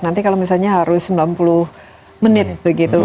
nanti kalau misalnya harus sembilan puluh menit begitu